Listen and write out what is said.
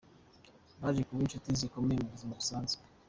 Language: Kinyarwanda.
Baje kuba inshuti zikomeye mu buzima busanzwe.